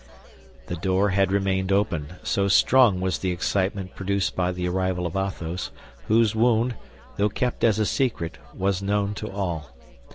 The door had remained open, so strong was the excitement produced by the arrival of Athos, whose wound, though kept as a secret, was known to all.